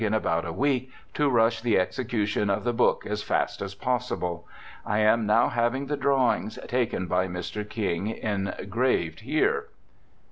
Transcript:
in about a week to rush the execution of the Book as fast as possible. I am now having the drawings taken by Mr. King engraved here.'